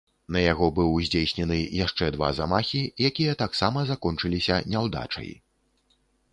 На яго быў здзейснены яшчэ два замахі, якія таксама закончыліся няўдачай.